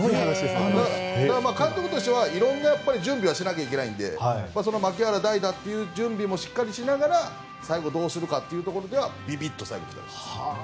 監督としてはいろいろな準備はしないといけないのでその牧原代打の準備をしっかりしながら最後どうするのかというところでビビッと来たらしいです。